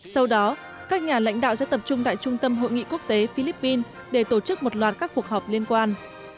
sau đó các nhà lãnh đạo sẽ tập trung tại trung tâm hội nghị quốc tế philippines để tổ chức một loạt các cuộc họp liên quan